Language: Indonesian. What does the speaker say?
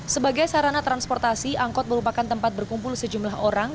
sebagai sarana transportasi angkot merupakan tempat berkumpul sejumlah orang